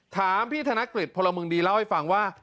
ถามพี่ธนกฤษพลเมืองดีเล่าให้ฟังว่า